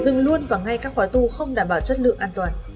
dừng luôn và ngay các khóa tu không đảm bảo chất lượng an toàn